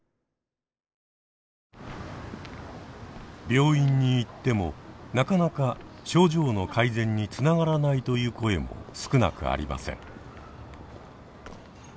病院に行ってもなかなか症状の改善につながらないという声も少なくありません。